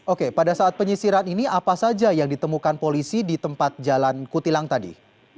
oke pada saat penyisiran ini apa saja yang ditemukan polisi di tempat jalan kutilang tadi